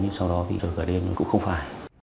nhưng sau đó thì cả đêm cũng không phải